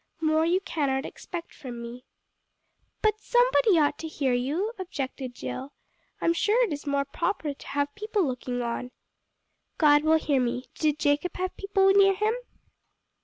More you cannot expect from me." "But somebody ought to hear you," objected Jill. "I am sure it's more proper to have people looking on." "God will hear me. Did Jacob have people near him?"